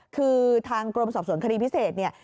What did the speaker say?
คือทางกรมสอบสวนคดีพิเศษเนี่ย